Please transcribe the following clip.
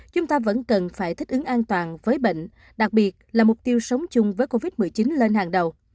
chúng ta vẫn cần phải thích ứng an toàn với bệnh đặc biệt là mục tiêu sống chung với covid một mươi chín lên hàng đầu